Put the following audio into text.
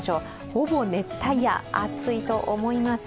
ほぼ熱帯夜、暑いと思います。